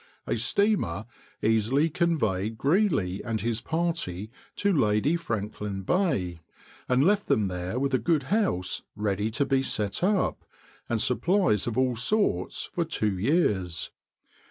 A steamer easily conveyed Greely and his party to Lady Franklin Bay, and left them there with a good house ready to be set up, and supplies of all sorts for two years.